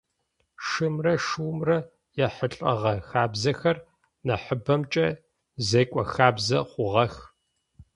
Шымрэ шыумрэ яхьылӏэгъэ хабзэхэр нахьыбэмкӏэ зекӏо хабзэ хъугъэх.